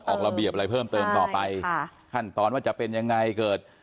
ออกระเบียบอะไรเพิ่มเติมต่อไปค่ะขั้นตอนว่าจะเป็นยังไงเกิด